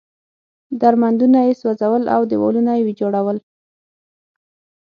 درمندونه یې سوځول او دېوالونه یې ویجاړول.